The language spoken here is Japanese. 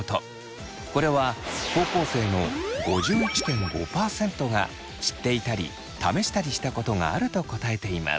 これは高校生の５１．５％が知っていたり試したりしたことがあると答えています。